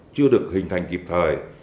chưa được hình thành kịp thời